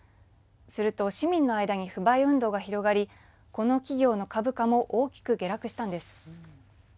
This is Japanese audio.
すると市民の間に不買運動が広がりこの企業の株価も大きく下落したんです。